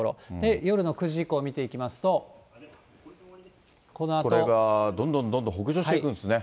夜の９時以降見ていきますと、このあと。これがどんどんどんどん北上していくんですね。